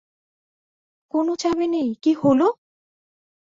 কোন চাবি নেই - কি হলো?